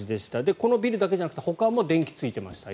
このビルだけじゃなくてほかも電気がついてました。